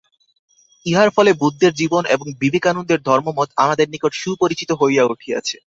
ইহার ফলে বুদ্ধের জীবন এবং বিবেকানন্দের ধর্মমত আমাদের নিকট সুপরিচিত হইয়া উঠিয়াছে।